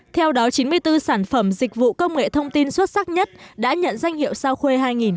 theo đó chín mươi bốn sản phẩm dịch vụ công nghệ thông tin xuất sắc nhất đã nhận danh hiệu sao khuê hai nghìn một mươi chín